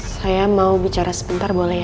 saya mau bicara sebentar boleh